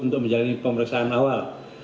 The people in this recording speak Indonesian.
untuk menjalani pemeriksaan awal